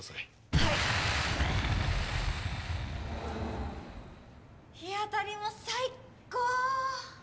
はい日当たりも最高！